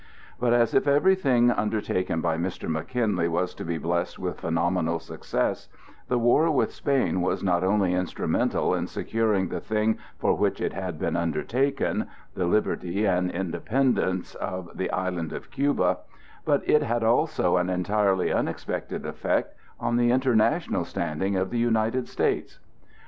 But, as if everything undertaken by Mr. McKinley was to be blessed with phenomenal success, the war with Spain was not only instrumental in securing the thing for which it had been undertaken,—the liberty and independence of the island of Cuba,—but it had also an entirely unexpected effect on the international standing of the United States.